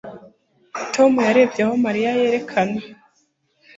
Tom yarebye aho Mariya yerekanaga